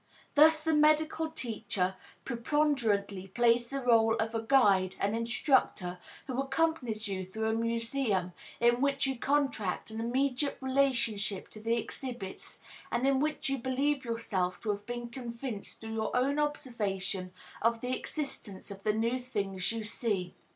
Thus the medical teacher preponderantly plays the role of a guide and instructor who accompanies you through a museum in which you contract an immediate relationship to the exhibits, and in which you believe yourself to have been convinced through your own observation of the existence of the new things you see.